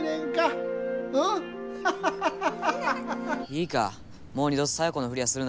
いいかもう二度とサヨコのふりはするな。